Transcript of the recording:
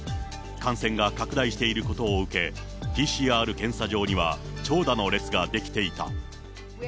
感染が拡大していることを受け、ＰＣＲ検査場には長蛇の列が出来ていた。